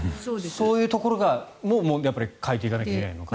そういうところもやっぱり変えていかなきゃいけないのかなと。